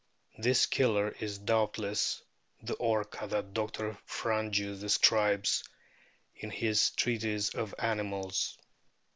This Killer is doubtless the Orca that Dr. Frangius describes in his Treatise of Animals.